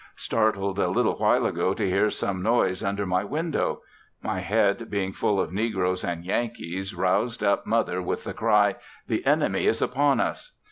Startled a little while ago to hear some noise under my window; my head being full of negroes and Yankees roused up Mother with the cry, "the enemy is upon us"!